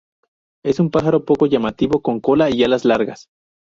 Es un pájaro poco llamativo con cola y alas largas.